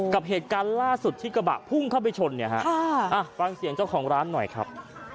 กับเหตุการณ์ล่าสุดที่กระบะพุ่งเข้าไปชนเนี่ยฮะฟังเสียงเจ้าของร้านหน่อยครับ